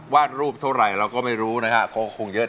วาดรูปเท่าไรเราก็ไม่รู้ค่ะคงเยอะ